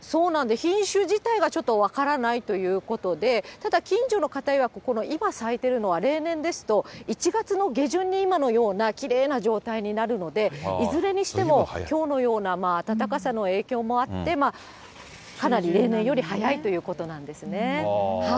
品種自体は、ちょっと分からないということで、ただ、近所の方いわく、この今咲いてるのは、例年ですと、１月の下旬に、今のようなきれいな状態になるので、いずれにしてもきょうのような暖かさの影響もあって、かなり例年より早いということなんですね。